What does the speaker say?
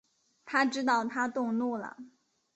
他知道她动怒了